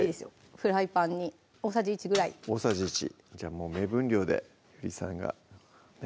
フライパンに大さじ１ぐらい大さじ１じゃもう目分量でゆりさんがね